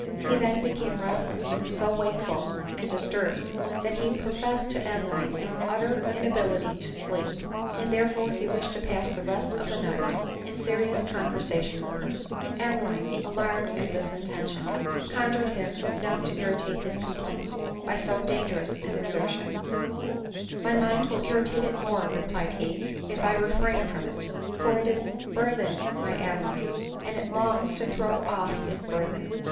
He then became restless, and so wakeful and dis turbed, that he professed to Adeline an utter inability to sleep, and therefore he wished to pass the rest of the night in serious conversation with her. Adeline, alarmed at this intention, conjured him not to irritate his complaint by so dangerous an exertion. «*.•_ ADELINE MOWBRAY. 177 My mind will irritate it more," replied he, " if I refrain from it ; for it is burthened, my Adeline, and it longs to throw off its burthen.